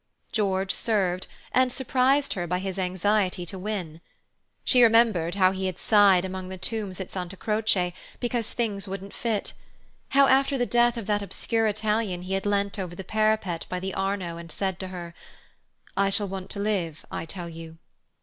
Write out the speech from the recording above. George served, and surprised her by his anxiety to win. She remembered how he had sighed among the tombs at Santa Croce because things wouldn't fit; how after the death of that obscure Italian he had leant over the parapet by the Arno and said to her: "I shall want to live, I tell you."